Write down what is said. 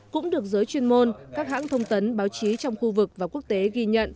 cũng được giới chuyên môn các hãng thông tấn báo chí trong khu vực và quốc tế ghi nhận